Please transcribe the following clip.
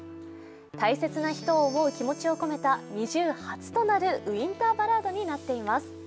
大切な人を思う気持ちを込めたＮｉｚｉＵ初となるウィンターバラードになっています。